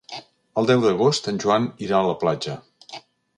El deu d'agost en Joan irà a la platja.